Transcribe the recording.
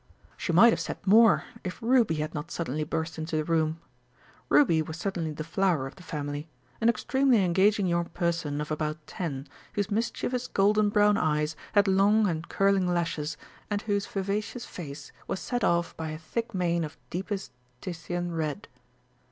She might have said more, if Ruby had not suddenly burst into the room. Ruby was certainly the flower of the family an extremely engaging young person of about ten, whose mischievous golden brown eyes had long and curling lashes, and whose vivacious face was set off by a thick mane of deepest Titian red.